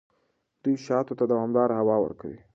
دوی شاتو ته دوامداره هوا ورکوي.